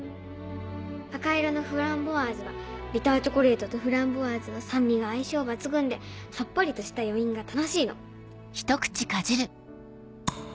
赤色のフランボワーズはビターチョコレートとフランボワーズの酸味が相性抜群でさっぱりとした余韻が楽しいの。